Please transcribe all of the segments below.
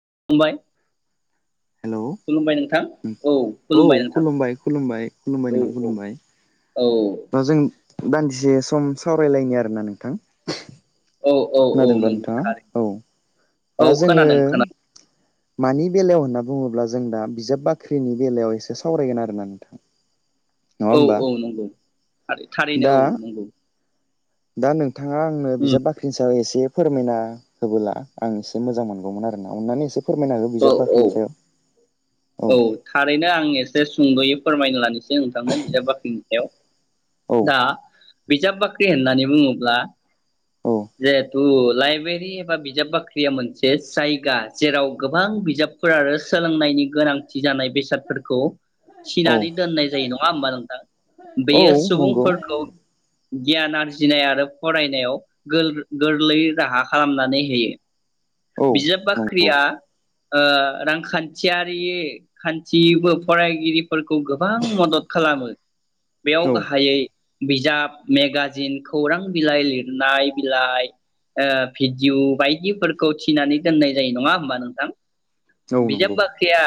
[unintelligible] Hello खुलुमबाय नोंथां औ औ खुलुमबाय नोंथां खुलुमबाय खुलुमबाय खुलुमबाय औ नामा खुलुमबाय। औ। दा जों दान्दिसे सम सावरायलायनि आरोना नोंथां। औ औ औ खोनादोंब्ला नोंथाङा नंगौथार औ औ दा जोङो खोनादों खोनादों मानि बेलायाव होनना बुङोब्ला जों दा बिजाब बाख्रिनि बेलायाव एसे सावरायगोन आरोना नोंथां। नङा औ होमबा औ नंगौ थारैनो दा औ नंगौ। दा नों थाङा आंनो उम बिजाब बाख्रिनि सायाव एसे ए फोरमायना होबोला आं एसे मोजां मोनगौमोन आरोना अननानै एसे फोरमायना हो अ बिजाब औ बाख्रिनि सायाव औ थारैनो आं एसे सुंदयै फोरमायना लानोसै नोंथांनो बिजाब बाख्रिनि सायाव औ दा बिजाब बाख्रि होननानै बुङोब्ला औ जिहेथु लाइबेरि एबा बिजाब बाख्रिया मोनसे जायगा जेराव गोबां बिजाबफोर आरो सोलोंनायनि गोनांथि जानाय बेसादफोरखौ औ थिनानै दोननाय जायो नङा होमबा नोंथां औ बेयो नंगौ सुबुंफोरखौ गियान आरजिनाय आरो फरायनायाव गोर-गोरलै राहा खालामनानै होयो औ बिजाब नंगौ बाख्रिया। ओ रांखान्थियारि खान्थिबो फरायगिरिफोरखौ गोबां मदद खालामो। बेयाव औ गाहायै बिजाब मेगाजिन खौरां बिलाइ लिरनाय बिलाइ ओ भिडिअ बायदिफोरखौ थिनानै दोननाय जायो नङा होमबा नोंथां। औ बिजाब नंगौ बाख्रिया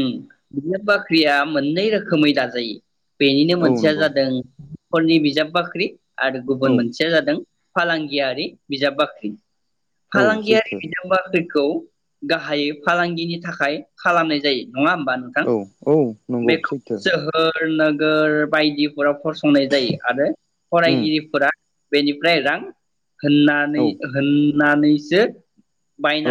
उम बिजाब बाख्रिया मोननै रोखोमै दाजायो बेनिनो औ मोनसेया नंगौ जादों हरनि बिजाब बाख्रि। आरो औ गुबुन मोनसेया जादों फालांगियारि बिजाब बाख्रि। औ फालांगियारि सैथो बिजाब बाख्रिखौ गाहायै फालांगिनि थाखाय खालामनाय जायो। नङा होमबा नोंथां औ औ नंगौ बेखौ सैथो जोहो। नोगोर बायदिफोराव फसंनाय जायो आरो। उम फरायगिरिफोरा बेनिफ्राय रां औ होननानै होननानैसो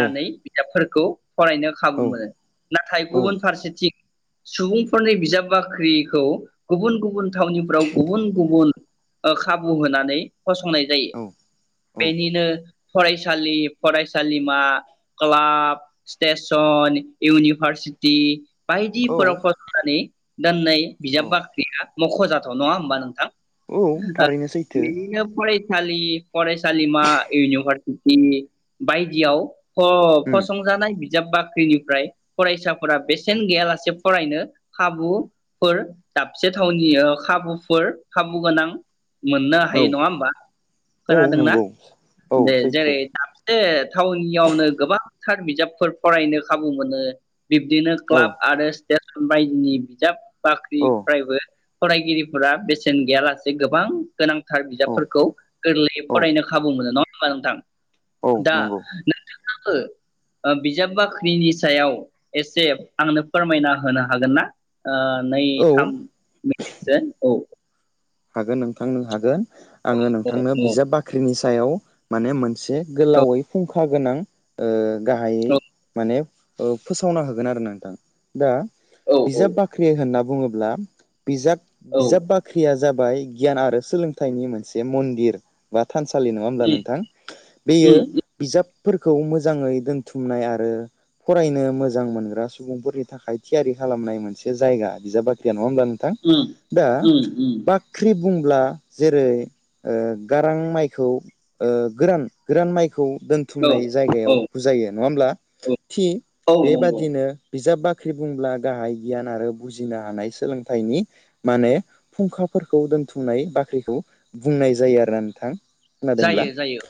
औ बिजाबफोरखौ फरायनो खाबु औ मोनो नाथाय औ गुबुन फारसेथिं सुबुंफोरनि बिजाब बाख्रिखौ गुबुन गुबुन थावनिफ्राव गुबुन गुबुन ओ खाबु होनानै फसंनाय जायो औ बेनिनो फरायसालि फरायसालिमा। Club station university. औ बायदिफोराव फसंनानै। दोननै औ बिजाब बाख्रिया मखजाथाव नङा होमबा नोंथां। औ ओ‌ थारैनो सैथो बेनिनो फरायसालि। फरायसालिमा इउनिभारसिटि बायदियाव। अ उम फसंजानायबि। बिजाब बाख्रिनिफ्राय फरायसाफोरा बेसेन गैयालासे फरायनो खाबुफोर दाबसे थावनि ओ खाबुफोर खाबु गोनां मोननो औ हायो नङा होमबा। औ खोनादोंना नंगौ औ दे सैथो जेरै दाबसे थावनि। औ नो गोबां। गोबांथार बिजाबफोर फरायनो खाबु मोनो बिब्दिनो औ क्लाब आरो स्टेसन बायदिनि बिजाब औ बाख्रिफ्रायबो फरायगिरिफोरा बेसेन गैयालासे गोबां गोनांथार औ बिजाबफोरखौ गोरलैयै औ फरायनो खाबु मोनो नङा होमबा औ नोंथां दा नंगौ नों। [unintelligible] खो बिजाब बाख्रिनि सायाव एसे आंनो फोरमायना होनो हागोन ना? आ नै औ थाम मि। से औ हागोन नोंथां नों‌ हागोन। आङो औ नोंथांनो औ बिजाब बाख्रिनि सा सायाव माने मोनस से गोलावै फुंखा। खा गोनां ओ। गाहायै मानेफ ओ फोसावना होगोन आरो ना नोंथां। दा औ बिजाब बाख्रि होनना बुङोब ला। बिजाब औ बिजाब बाख्रिया जे बाय गियान आरो सोंलोंथाइनि मोनसे मन्दिर बा थानसालि नङा होमब्ला नोंथां बेयो उम बिजाब। फोरखौ मोजाङै दोन्थुमनाय आरो फरायनो मोजां मोनग्रा सुबुंफोरनि थाखाय थियारि खालामनाय मोनसे जायगा बिजाब बाख्रिया नङा होमब्ला नों उम उम उम ख्रि बुंब्ला जेरै ओ गारां माइखौ ओ गोरान गोरान माइख खौ औ दोनथुमनाय औ जायगायाव बुजायो। नङा होमब्ला औ थि औ नंगौ बेबादिनो बिजाब बाख ख्रि बुंब्ला गाहाय गियान आरो बुजिनो हानाय सोलोंथनि माने फुंखा फोरखौ दोन्थुमनाय बाख्रिखौ बुंनाय जायो आरोना नोंथां। खोनादोंब्ला जायो जायो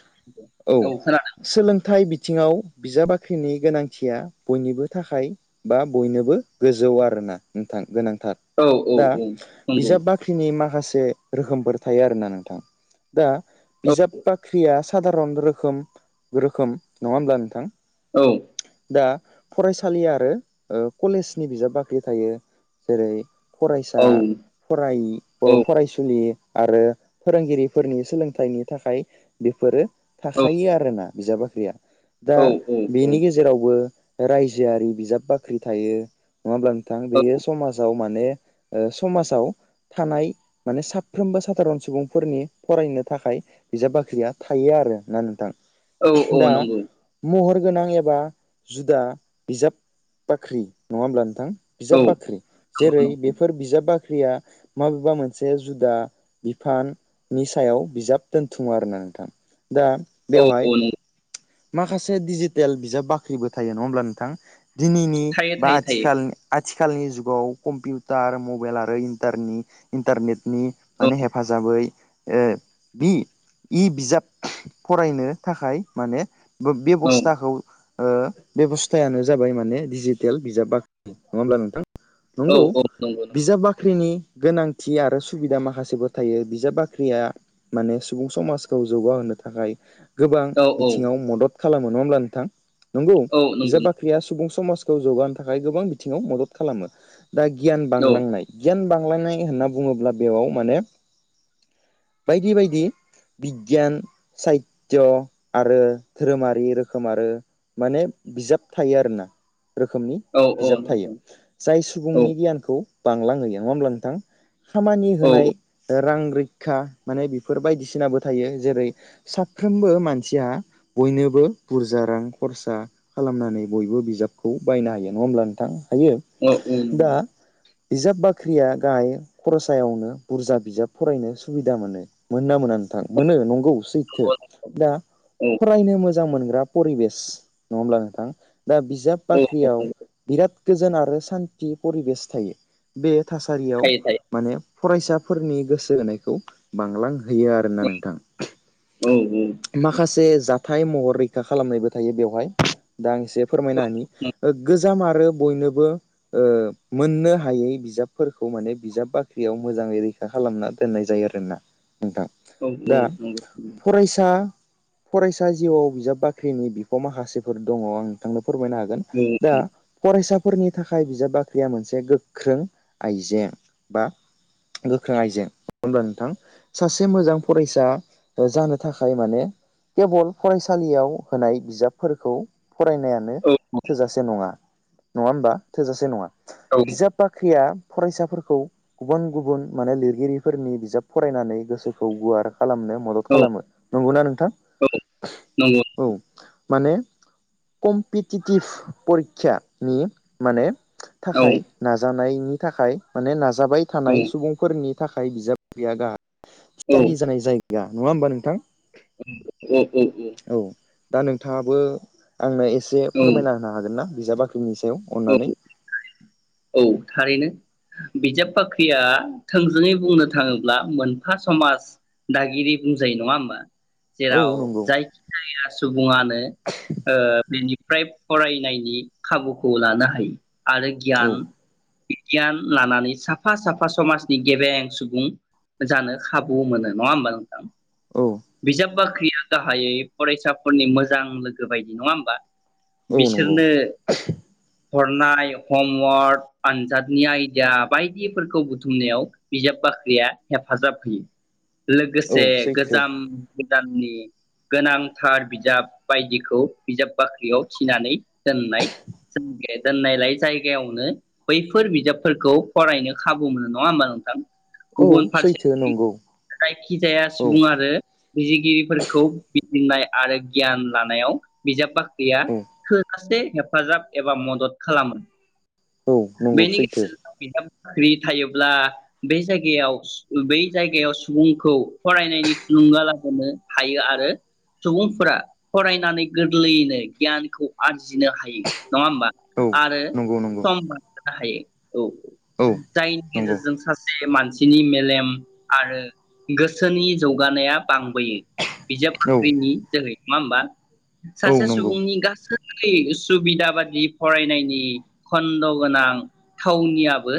औ सोलोंथाइ बि बिथिङाव बिजाब बाख्रिनि गोनांथिया बयनिबो थाखाय बा बयनोबो गोजौ आरोना नोंथां गोनांथि। औ औ औ नंगौ बाख्रिनि माखासे रोखोमफोर थायो आरोना नोंथां। दा औ बिजाब बाख्रिया। साादारन रोखोम रोखोम नङा होमब्ला नोंथां। औ। दा फरायसालि आरो ओ कलेजनि बिजाब बाख्रि थायो जेरै औ फरायसा फराय औ फरायसुलि आरो फोरोंगिरिफोरनि सोलोंथाइनि थाखाय बेफोरो औ थाखायो आरोना बिजाब बाख [unintelligible] दा औ बेनि गेजेरावबो रायजोआरि बिजाब बाख्रि थायो। नङा होमब्ला नोंथां बेयो समाजाव मान माने ओ समाजाव थानाय माने साफ्रोमबो सादारन सुबुंफोरनि फरायनो थाखाय बिजाब बाख्रिया थायो आरोना नोंथां। औ औ दा नंगौ महर। गोनां एबा जुदा बिजाब बाख्रि नङा होमब्ला नोंथां। औ बिजाब बाख्रि जेरै नंगौ बेफोर बिजाब बाख्रि। फाख्रिया माबेबा मोनसे जुदा बिफाननि सायाव बिजाब दोनथुमो आरोना नोंथां। दा औ बेवहाय औ नंगौ माखासे दिडिजिटेल बिजाब बाख्रिबो थायो नङा होमब्ला नोंथां। दिनैनि थायो बा थायो थायो आथिखालनि आथिखालनि जुगाव कम्पिउटार मबाइल आरो इन्टारनेट। इन्टारनेट नि औ माने हेफाजाबै ए बि इ बिजाब फरायनो थाखाय माने बेबस्थाखौ। ओ बेबस्थायानो जाबाय माने डिजिटेल बिजाब बाख्रि नङा होमब्ला नोंथां। औ नंगौ औ नंगौ नंगौ बिजाब बाख्रिनि गोनांथि आरो सुबिदा माखासेबो थायो बिजाब बाख्रिया माने सुबुं समाजखौ जौगाहोनो थाखाय। गोबां औ बिथिङाव मदद। खालामो नङा होमब्ला नोंथां। नंगौ औ नंगौ बिजाब बाख्रिया सुबुं स समाजखौ जौगानो थाखाय गोबां बिथिङाव मदद खालामो। दा गियान औ बांलांनाय गियान लांनाय होनना बुङोब्ला बेयाव माने बायदि बायदि बिगियान सायित्य आरो धोरोमारि रोखोम आरो माने बिजाब थायो आरोना। रोखोमनि औ औ बिजाब थायो नंगौ जाय औ सुबुंनि गियानखौ बांलां होयो नङा होमब्ला थां। खामानि औ होनाय ओ रां रैखा माने बेफोर बायदिसिनाबो थायो जेरै साफ्रोमबो मानसिया बयनोबो बुरजा रां खरसा खालामनानै बयबो बिजाबखौ बायनो हायो नङा होमब्ला नोंथां? हायो औ औ। दा बिजाब बाख्रिया दायो खर'सायावनो बुरजा बिजाब फरायनो सुबिदा मोनो मोना मोना नोंथां मोनो नंगौ। सैथो दा औ फरायनो मो मोजां मोनग्रा परिबेस नङा होमब्ला नोंथां। दा बिजाब औ औ नंगौ बाख्रियाव बिराद गोजोन आरो सान्थि परिबेस थायो बे थासा सारियाव थायो थायो माने फरायसाफोरनि गोसो होनायखौ बांलांहो होयो आरोना औ नोंथां औ माखासे जाथाय महर रैखा खालामनायबो थायो बेवहाय दा आं एसे फोरमायना औ होनि गोजाम आरो बयनोबो ओ मोननो हायै बिजाब फोरखौ माने बिजाब बाख्रियाव मोजाङै रैखा खालामना दोननाय जायो आरोना। नोंथां दा औ नंगौ औ फरायसा फरायसा जिउआव बिजाब बाख्रिनि बिफाव माखासेफोर दङ आं नोंथांनो फोरमायनो हागोन दा फरायसाफोरनि थाखाय बिजाब बाख ख्रिया मोनसे गोख्रों। आइजें बा गोख्रों आइजें होनब्ला नोंथां सासे मोजां फरायसा जानो थाखाय माने केबल फरायसालियाव होनाय बिजाबफोरखौ फरायनायानो औ थोजासे नङा। नङा होमबा थोजासे नङा। औ बिजाब बाख्रिया फरायसाफोरखौ गुबुन गुबुन माने लिरगिरिफोरनि बिजाब फरायनानै गोसोखौ गुवार खालामनायाव मदद औ खालामो। नंगौना नोंथां। नंगौ। औ माने कम्पिटिटिभ परिक्षानि माने औ थाखाय नाजानाय थाखाय माने नाजा जाबाय औ थानाय सुबुंफोरनि थाखाय बिजाब रिया गाहा थियारि जानाय जायो। या नङा होमबा नोंथां? औ औ औ। दा नोंथाङाबो आंनो ए से औ फोरमायना होनो हागोन ना? बिजाब बाख्रिनि सायाव अननानै। औ थारैनो बिजाब बाख्रिया थोंजोङै बुंनो थाङोब्ला मोनफा समाज दागिरि बुंजायो नङा होमबा? औ जेराव नंगौ जायखि जाया सु बुङानो ओ बेनि फ्राय फरायनायनि खाबुखौ लानो हायो। आरो औ गियान बिगियान लानानै साफा साफा समाजनि गेबेें सुबुं जानो खाबु मोनो नङा होमबा नोंथां? औ। बिजाब बाख्रिया गाहायै फरायसाफोरनि मोजां लोगो बायदि नङा होमबा? औ नंगौ। बिसोरनो हरनाय हमवर्क आनजादनि आइदिया बायदिफोरखौ बुथुमनायाव बिजाब बाख्रिया हेफाजाब होयो। औ लोगोसे सैथो गोजाम गोदाननि गोनांथार बिजाब बायदिखौ बिजाब बाख्रियाव थिनानै दोननाय [unintelligible] दोननायलाय जायगायावनो बैफोर बिजाबफोरखौ फरायनो खाबु मोनो नङा होमबा नोंथां? औ गुबुन सैथो फारसेथिं नंगौ जायखिजाया औ सुबुं आरो बिजिगिरिफोरखौ बि नाय आरो गियान लानायाव बिजाब बाख्रि गैया औ थोजासे हेफाजाब एबा मदद खालामो। औ नंगौ सैथो। ख्रि थायोब्ला बे जायगायाव बै जायगायाव सुबुंखौ फरायनायनि थुलुंगा लाबोनो हायो आरो सुबुंफोरा फरायनानै गोरलैयैनो गियानखौ आरजि बुजिनो हायो नङा होमबा औ आरो नंगौ नंगौ सम हायो। औ औ जायनि नंगौ गेजेरजों सासे मानसि सिनि मेलेम आरो गोसोनि जौगानाया बांबोयो बिजाब औ बाख्रिनि जोहै। मा होमबा औ सासे नंगौ सुबुंनि गासै सुबिदा बादि फरायनायनि खन्द गोनां थावनियाबो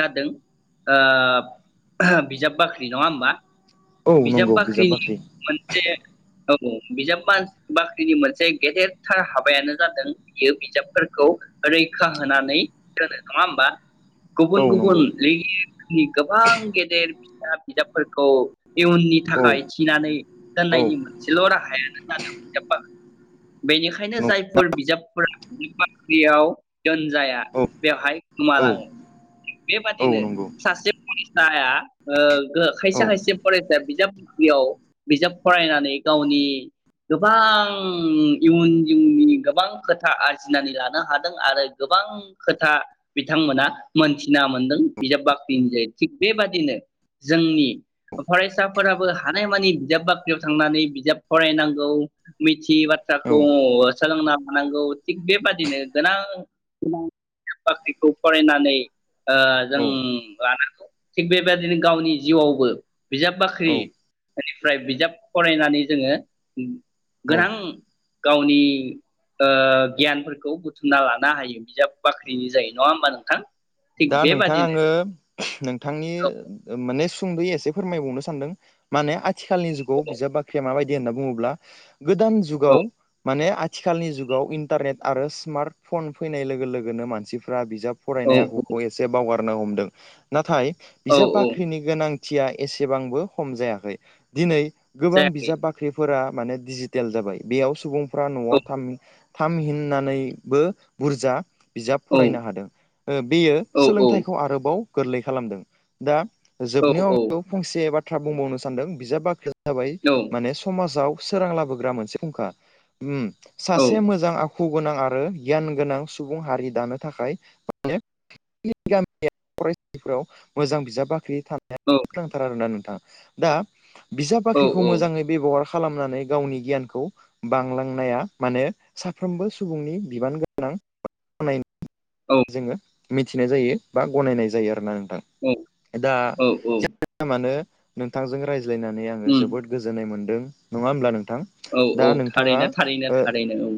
जादों ओ बिजाब बाख्रि नङा होमबा औ नंगौ बिजाब बाख्रिनि बाख्रि मोनसे औ बिजाब बा-बाख्रिनि मोनसे गेदेरथार हाबायानो जादों बियो बिजाबफोरखौ रैखा होनानै दोनों नङाहोनबा गुबुन औ गुबन नंगौ लिरगि नि गोबां गेदेर फिसा बिजाबफोरखौ इयुननि औ थाखाय थिनानै औ दोननायनि मोनसेल राहायानो जादों हिजाब बाख्रि बेनिखायनो नं जायफोर बिजाबफोरा बाख्रियाव दोनजाया औ बेवहाय औ गोमालाङो औ बेबादिनो नंगौ सासे फरा साया ओ गो खायसे औ खायसे फरायसाया बिजाब बाख्रियाव बिजाब फरायनानै गावनि गोबां इयुन जिउनि गोबां खोथा आरजिनानै लानो हादों आरो गोबां खोथा बिथांमोना मोनथिना मोनदों बिजाब बाख्रिनि जहै थिग बेबादिनो जोंनि फरायसाफोराबो हानायमानि बिजाब बाख्रियाव थांनानै बिजाब फरायनांगौ मिथियै औ बाथ्राखौ सोलोंना लानांगौ थिग बेबादिनो गोनां बाख्रिखौ फरायनानै ओ जों औ लानांगौ थिग बेबायदिनो गावनि जिउआवबो बिजाब बाख्रि औ बेनिफ्राय बिजाब फरायनानै जोङो उम औ गोनां गावनि ओ गियानफोरखौ बुथुमना लानो हायो बिजाब बाख्रिनि जायो नङा होमबा नोंथां थिग दा नोंथां बेबादिनो आङो नोंथांनि औ माने सुंदयै एसे फोरमायबावनो सानदों माने आथिखालनि जुगाव बिजाब बाख्रिया माबायदि होनना बुङोब्ला गोदान जुगाव माने आथिखालनि जुगाव इन्टारनेट आरो स्मार्ट फन फैनाय लोगो लोगोनो मानसिफ्रा बिजाब औ फरायनाय [unintelligible] खौ एसे बावगारनो हमदों नाथाय औ बिजाब औ बाख्रिनि गोनां थिया एसेबांबो खम जायाखै दिनै गोबां जायाखै बिजाब बाख्रिफोरा माने डिजिटेल जाबाय बेयाव सुबुं फ्रा नआव औ थामि थामहिननानैबो बुरजा बिजाब औ फरायनो हादों ओ बियो औ औ सोलोंथाइखौ आरोबाव गोरलै खालामदों दा औ औ जोबनायाव आं फंसे एबा बाथ्रा बुंबावनो सानदों बिजाब बाख्रि जाबाय औ माने समाजाव सोरां लाबोग्रा मोनसे फुंखा। सासे मोजां आखु आखु गोनां आरो गियान गोनां सुबुं हारि दानो थाखाय माने [unintelligible] फरायसाफोराव मोजां बिजाब बाख्रि औ थानायनाया गोनांथार आरोना नों नोंथां दा बिजाब औ बाख्रिखौ मोजाङै बेबहार खालामनानै गावनि गियानखौ बांलांनाया मानो साफ्रोमबो सुबुंनि बिबान गोनां। जोङो। मिथिनाय जायो बा गनायनाय जायो आरोना आं। नोंथां दा औ जियानो जाया मानो नोंथांजों रायज्ला ज्लायनानै आङो उम जोबोद गोजोननाय मोन्दों। नङा होनब्ला नों औ औ थारैनो थारैनो थारैनो औ।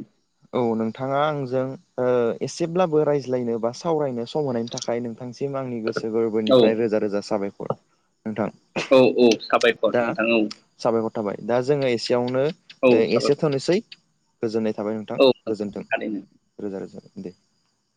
औ नोंथाङा आंजों ओ एसेब्लाबो रायज्लायनो बा सावरायनो सम सम होनायनि थाखाय नोंथांसिम आंनि गोसो औ गोरबोनिफ्राय रोजा रोजा साबायखर। बर औ औ साबायखर नोंथां औ। साबायखर थाबाय दा जोङो एसे यावनो औ एसे साबायखर थोनोसै। गोजोननाय थाबाय नोंथां औ गोजोन्थों थारैनो रोजा रोजा। दे